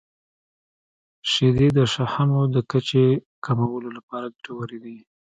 • شیدې د شحمو د کچې کمولو لپاره ګټورې دي.